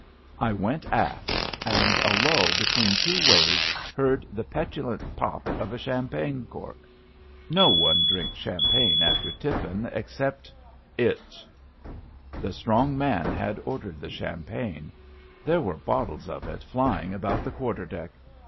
I went aft, and a lull between two waves heard the petulant pop of a champagne cork. No one drinks champagne after tiflSn except ... It. The strong man had ordered the champagne. ITI 77 There were bottles of it flying about the quarter deck.